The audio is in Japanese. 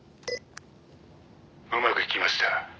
「うまくいきました。